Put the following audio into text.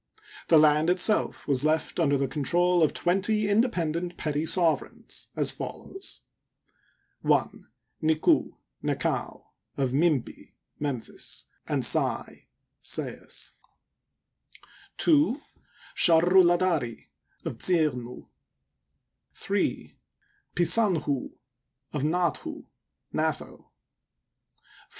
The land itself was left under the control of twenty independent petty sovereigns, as follows : 1. NikU'U (Nekau), of Mi im pi (Memphis), and 5a ai (Sais). 2. Sharru la da rt't of Zi i'nu, 3. Pi'Sa ^n hU'U, of Na at hu (Natho). 4.